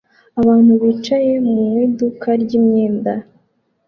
Abantu bicaye mu iduka ryimyenda